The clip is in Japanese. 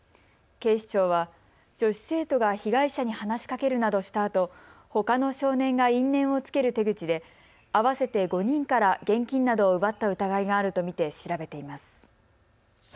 警視庁は女子生徒が被害者に話しかけるなどしたあとほかの少年が因縁をつける手口で合わせて５人から現金などを奪った疑いがあると見て調べています。